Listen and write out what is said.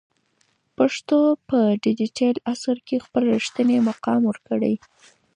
پښتو ته په ډیجیټل عصر کې خپل رښتینی مقام ورکړئ.